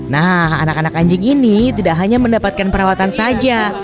nah anak anak anjing ini tidak hanya mendapatkan perawatan saja